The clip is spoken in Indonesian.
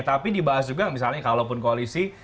tapi dibahas juga misalnya kalaupun koalisi